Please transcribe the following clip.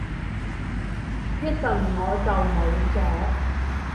一陣我就冇咗